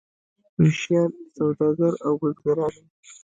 ویشیان سوداګر او بزګران وو.